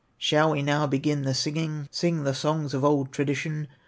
"Shall we now begin the singing, Sing the songs of old tradition?